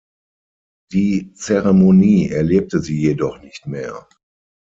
Die Zeremonie erlebte sie jedoch nicht mehr.